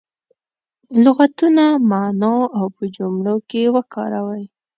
لغتونه معنا او په جملو کې وکاروي.